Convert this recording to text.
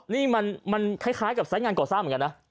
นี่มันคล้ายกับสายงานก่อสร้างเหมือนกันนะ